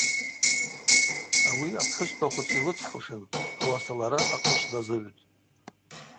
Ауи апхӏвыспа хвыц йлыцхӏушын, ауаса лара ахъышв дазыгӏвтӏ.